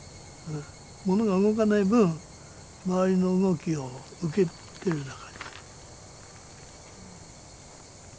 物が動かない分周りの動きを受けてるような感じ。